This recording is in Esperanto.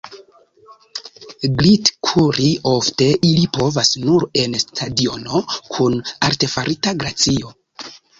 Glitkuri ofte ili povas nur en stadiono kun artefarita glacio.